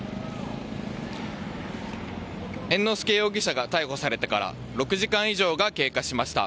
猿之助容疑者が逮捕されてから６時間以上が経過しました。